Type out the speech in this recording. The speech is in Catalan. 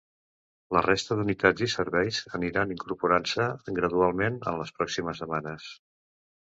La resta d’unitats i serveis aniran incorporant-se gradualment en les pròximes setmanes.